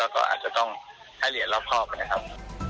แล้วก็อาจจะต้องให้เหรียญรอบครอบนะครับ